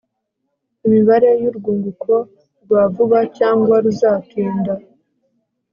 imibare y'urwunguko rwa vuba cyangwa ruzatinda